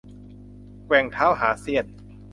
แกว่งเท้าหาเสี้ยน